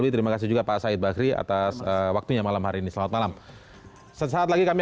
terima kasih juga pak said bakri atas waktunya malam hari ini selamat malam sesaat lagi kami